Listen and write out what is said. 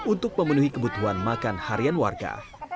untuk memenuhi kebutuhan makan harian warga